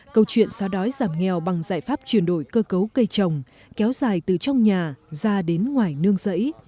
câu chuyện xóa đói giảm nghèo bằng giải pháp chuyển đổi cơ cấu cây trồng kéo dài từ trong nhà ra đến ngoài nương rẫy